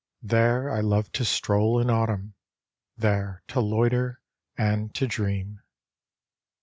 There I love to stroll in autumn, There to loiter and to dream.